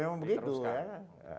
ya memang begitu ya